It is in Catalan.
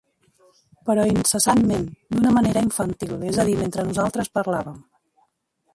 Però incessantment, d’una manera infantil, és a dir, mentre nosaltres parlàvem.